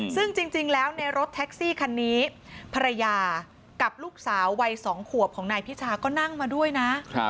ซึ่งจริงแล้วในรถแท็กซี่คันนี้ภรรยากับลูกสาววัย๒ขวบของนายพิชาก็นั่งมาด้วยนะ